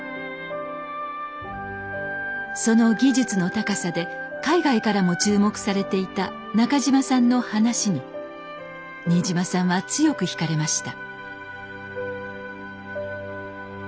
その技術の高さで海外からも注目されていた中島さんの話に新島さんは強く引かれました。